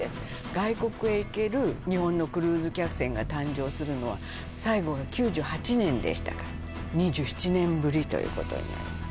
外国へ行ける日本のクルーズ客船が誕生するのは２７年ぶりということになります